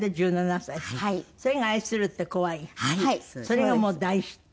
それがもう大ヒット？